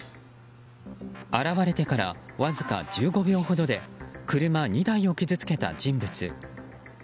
現れてから、わずか１５秒ほどで車２台を傷つけた人物。